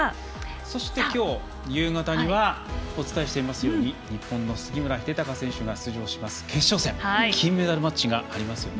そして、今日夕方にはお伝えしていますように日本の杉村英孝選手が出場します、決勝戦金メダルマッチがありますね。